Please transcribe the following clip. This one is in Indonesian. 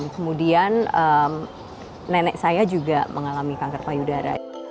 kemudian nenek saya juga mengalami kanker payudara